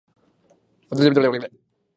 渡島当別駅